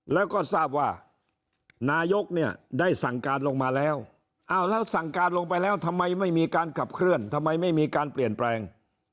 แล้วก็ทราบว่านายกเนี่ยได้สั่งการลงมาแล้วแล้วสั่งการลงไปแล้วทำไมไม่มีการขับเคลื่อนทำไมไม่มีการเปลี่ยนแปลง